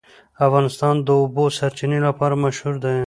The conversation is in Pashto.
افغانستان د د اوبو سرچینې لپاره مشهور دی.